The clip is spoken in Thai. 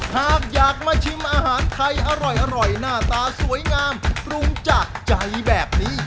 หากอยากมาชิมอาหารไทยอร่อยหน้าตาสวยงามปรุงจากใจแบบนี้